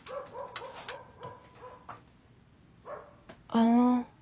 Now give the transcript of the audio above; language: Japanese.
あの。